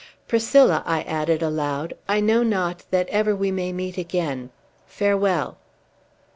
Priscilla," I added aloud, "I know not that ever we may meet again. Farewell!"